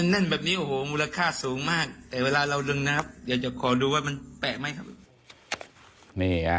แน่นแบบนี้โอ้โหมูลค่าสูงมากแต่เวลาเราดึงนะครับอยากจะขอดูว่ามันแปะไหมครับ